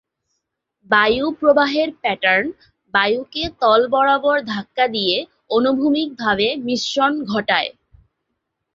বায়ুপ্রবাহের pattern বায়ুকে তল বরাবর ধাক্কা দিয়ে অনুভূমিকভাবে মিশ্রণ ঘটায়।